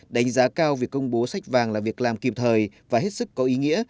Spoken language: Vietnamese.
đánh giá cao việc công bố sách vàng là việc làm kịp thời và hết sức có ý nghĩa